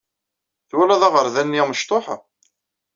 Twalaḍ aɣerday-nni amecṭuḥ?